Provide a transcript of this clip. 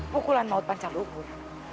pukulan maut panca lukur